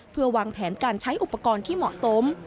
เพื่อวางแผนการใช้อุปกรณ์ที่เหมาะสม